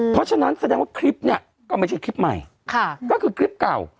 เพราะฉะนั้นแสดงว่าคลิปเนี่ยก็ไม่ใช่คลิปใหม่ก็คือคลิปเก่า